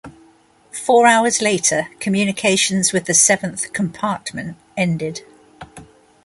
Four hours later, communications with the seventh compartment ended.